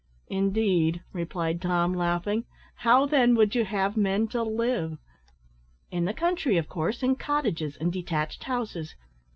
"Indeed," replied Tom, laughing; "how, then, would you have men to live?" "In the country, of course, in cottages and detached houses.